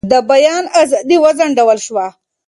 د بیان ازادي وځنډول شوه.